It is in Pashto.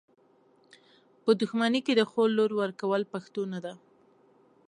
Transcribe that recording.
په دښمني کي د خور لور ورکول پښتو نده .